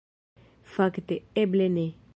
Fakte, eble ne.